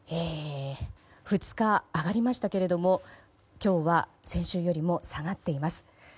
２日、上がりましたけど今日は先週よりも下がっています。